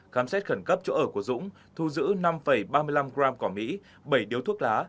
khám xét khẩn cấp chỗ ở của dũng thu giữ năm ba mươi năm g cỏ mỹ bảy điếu thuốc lá